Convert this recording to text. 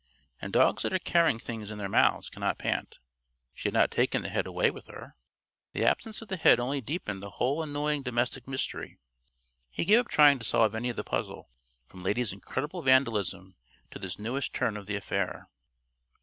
And dogs that are carrying things in their mouths cannot pant. She had not taken the head away with her. The absence of the head only deepened the whole annoying domestic mystery. He gave up trying to solve any of the puzzle from Lady's incredible vandalism to this newest turn of the affair.